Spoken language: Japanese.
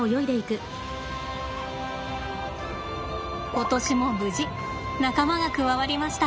今年も無事仲間が加わりました。